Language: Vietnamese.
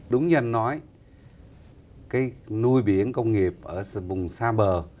đúng như anh nói cái nuôi biển công nghiệp ở vùng xa bờ